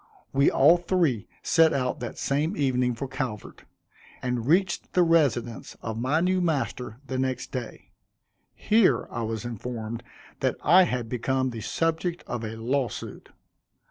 We all three set out that same evening for Calvert, and reached the residence of my new master the next day. Here, I was informed, that I had become the subject of a law suit.